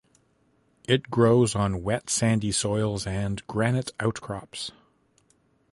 It grows on wet sandy soils and granite outcrops.